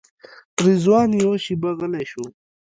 رضوان یوه شېبه غلی شو.